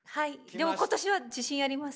でも今年は自信あります。